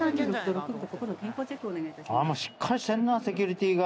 あもうしっかりしてんなセキュリティが。